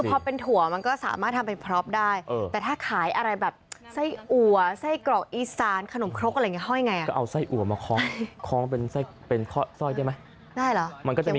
พอเป็นถั่วมันก็สามารถทำเป็นพร้อมได้แต่ถ้าขายอะไรแบบไส้อัวไส้กรอกอีสานขนมครกอะไรอย่างนี้ห้อยไง